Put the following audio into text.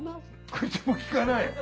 口も利かない？